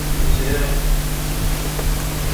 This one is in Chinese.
赖恩镇区为美国堪萨斯州索姆奈县辖下的镇区。